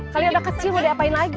kalian udah kecil mau diapain lagi